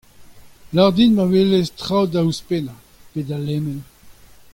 lavar din ma welez traoù da ouzhpennañ (pe da lemel).